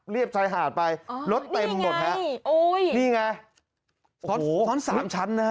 ชายหาดไปอ๋อรถเต็มหมดฮะโอ้ยนี่ไงซ้อนซ้อนสามชั้นนะฮะ